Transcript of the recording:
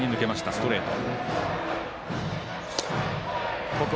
ストレート。